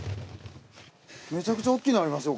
めちゃくちゃ大きいのありますよ。